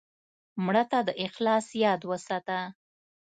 مړه ته د اخلاص یاد وساته